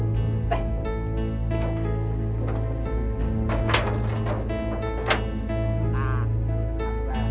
nanti minta juga ya